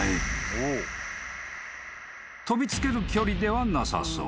［飛びつける距離ではなさそう］